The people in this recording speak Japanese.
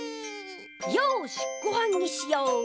よしごはんにしよう！